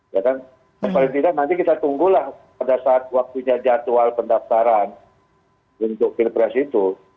ya kan paling tidak nanti kita tunggulah pada saat waktunya jadwal pendaftaran untuk pilpres itu